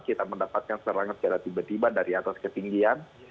kita mendapatkan serangan secara tiba tiba dari atas ketinggian